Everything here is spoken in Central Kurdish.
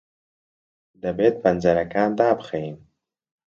دەبێت پەنجەرەکان دابخەین.